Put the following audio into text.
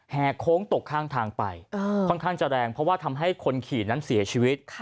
โค้งตกข้างทางไปค่อนข้างจะแรงเพราะว่าทำให้คนขี่นั้นเสียชีวิต